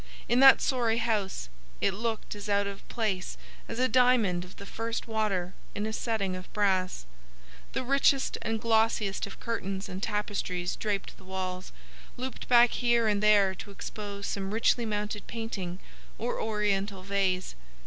In that sorry house it looked as out of place as a diamond of the first water in a setting of brass. The richest and glossiest of curtains and tapestries draped the walls, looped back here and there to expose some richly mounted painting or Oriental vase.